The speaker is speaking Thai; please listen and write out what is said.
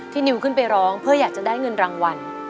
นิวขึ้นไปร้องเพื่ออยากจะได้เงินรางวัล